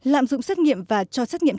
lạm dụng xét nghiệm và cho xét nghiệm